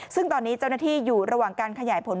ซึ่งตอนนี้เจ้าหน้าที่อยู่ระหว่างการขยายผล